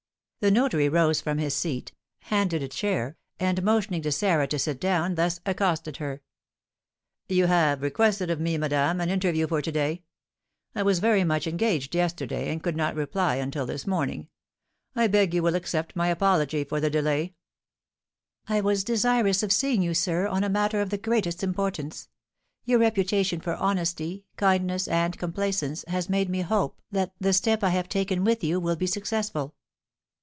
The notary rose from his seat, handed a chair, and, motioning to Sarah to sit down, thus accosted her: "You have requested of me, madame, an interview for to day. I was very much engaged yesterday, and could not reply until this morning. I beg you will accept my apology for the delay." "I was desirous of seeing you, sir, on a matter of the greatest importance. Your reputation for honesty, kindness, and complaisance has made me hope that the step I have taken with you will be successful."